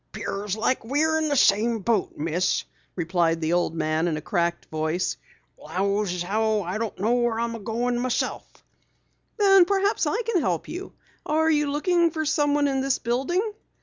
"'Pears like we is in the same boat, Miss," replied the old man in a cracked voice. "'Lows as how I don't know where I'm goin' my own self." "Then perhaps I can help you. Are you looking for someone in this building?"